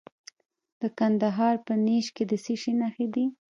د کندهار په نیش کې د څه شي نښې دي؟